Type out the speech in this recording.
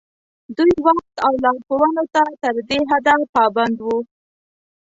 دوی وخت او لارښوونو ته تر دې حده پابند وو.